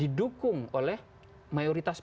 didukung oleh mayoritas